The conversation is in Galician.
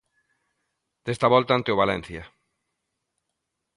Desta volta ante o Valencia.